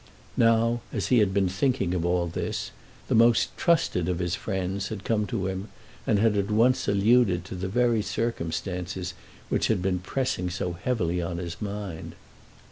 Now, as he had been thinking of all this, the most trusted of his friends had come to him, and had at once alluded to the very circumstances which had been pressing so heavily on his mind.